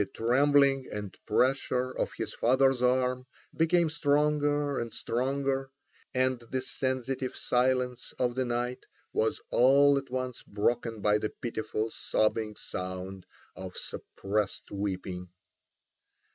The trembling and pressure of his father's arm became stronger and stronger, and the sensitive silence of the night was all at once broken by the pitiful sobbing sound of suppressed weeping.